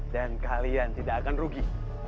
dan kalian tidak akan rugi